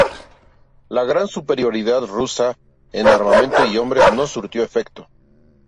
La gran superioridad rusa en armamento y hombres no surtió efecto.